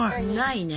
ないね。